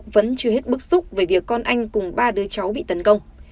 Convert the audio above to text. vẫn chưa hết bức xúc về việc con anh cùng ba đứa cháu bị tấn công